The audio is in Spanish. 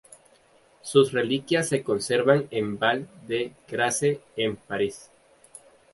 Sus reliquias se conservan en Val-de-Grace en París.